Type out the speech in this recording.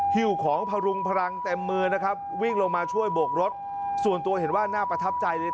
หิวของพรุงพลังเต็มมือนะครับวิ่งลงมาช่วยโบกรถส่วนตัวเห็นว่าน่าประทับใจเลย